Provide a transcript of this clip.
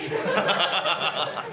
ハハハハ。